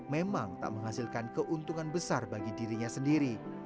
memang tak menghasilkan keuntungan besar bagi dirinya sendiri